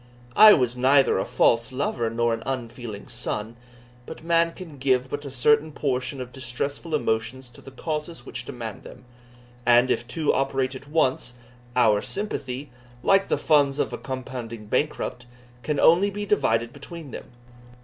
I was neither a false lover nor an unfeeling son; but man can give but a certain portion of distressful emotions to the causes which demand them; and if two operate at once, our sympathy, like the funds of a compounding bankrupt, can only be divided between them.